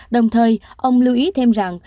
đồng thời ông lưu ý thêm rằng